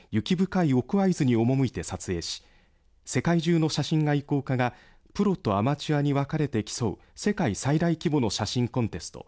会津に赴いて撮影し世界中の写真愛好家がプロとアマチュアに分かれて競う世界最大規模の写真コンテスト